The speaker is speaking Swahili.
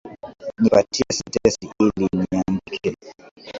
Nipatie sentensi ili niandike